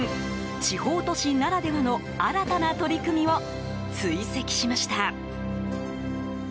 地方都市ならではの新たな取り組みを追跡しました。